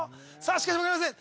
しかし分かりません